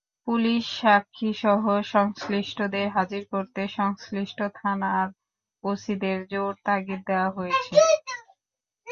Police সাক্ষীসহ সংশ্লিষ্টদের হাজির করতে সংশ্লিষ্ট থানার ওসিদের জোর তাগিদ দেওয়া হয়েছে।